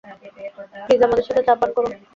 Please, আমাদের সাথে চা পান করুন?